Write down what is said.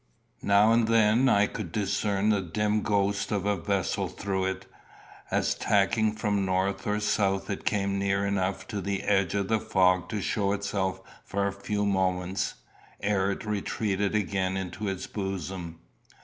Now and then I could discern the dim ghost of a vessel through it, as tacking for north or south it came near enough to the edge of the fog to show itself for a few moments, ere it retreated again into its bosom.